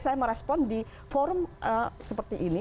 saya merespon di forum seperti ini